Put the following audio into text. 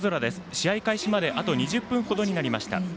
試合開始まであと２０分ほどになりました。